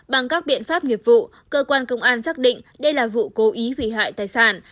bằng các biện pháp nghiệp vụ cơ quan công an xác định đây là vụ cố ý hủy hoại tài sản